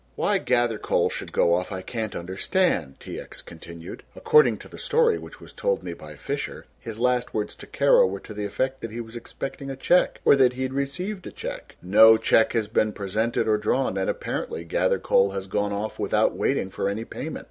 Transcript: "Why Gathercole should go off I can't understand," T. X. continued. "According to the story which was told me by Fisher, his last words to Kara were to the effect that he was expecting a cheque or that he had received a cheque. No cheque has been presented or drawn and apparently Gathercole has gone off without waiting for any payment.